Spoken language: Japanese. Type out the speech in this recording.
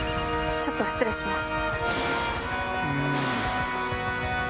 ちょっと失礼します。